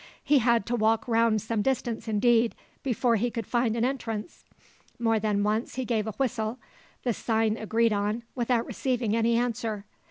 He had to walk round some distance indeed before he could find an entrance. More than once he gave a whistle, the sign agreed on, without receiving any answer.